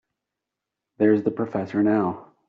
There's the professor now.